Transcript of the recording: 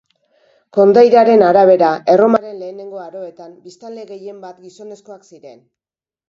Kondairaren arabera, Erromaren lehenengo aroetan biztanle gehien bat gizonezkoak ziren.